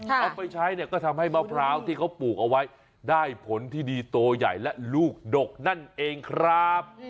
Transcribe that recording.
เอาไปใช้เนี่ยก็ทำให้มะพร้าวที่เขาปลูกเอาไว้ได้ผลที่ดีตัวใหญ่และลูกดกนั่นเองครับ